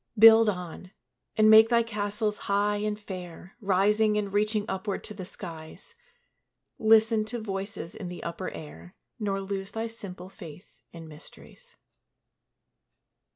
Build on, and make thy castles high and fair, Rising and reaching upward to the skies; Listen to voices in the upper air, Nor lose thy simple faith in mysteries.